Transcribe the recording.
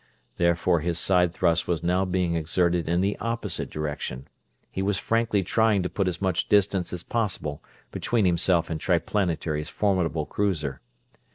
Therefore his side thrust was now being exerted in the opposite direction; he was frankly trying to put as much distance as possible between himself and Triplanetary's formidable cruiser.